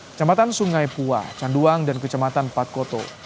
kecamatan sungai pua canduang dan kecamatan patkoto